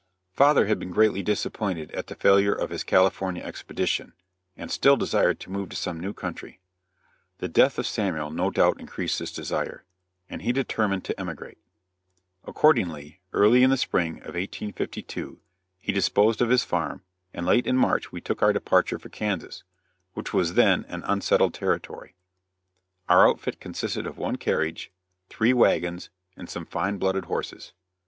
Father had been greatly disappointed at the failure of his California expedition, and still desired to move to some new country. The death of Samuel no doubt increased this desire, and he determined to emigrate. Accordingly, early in the spring of 1852, he disposed of his farm, and late in March we took our departure for Kansas, which was then an unsettled territory. Our outfit consisted of one carriage, three wagons and some fine blooded horses.